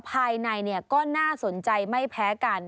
ภายในก็น่าสนใจไม่แพ้กัน